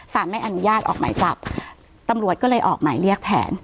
ไม่อนุญาตออกหมายจับตำรวจก็เลยออกหมายเรียกแทน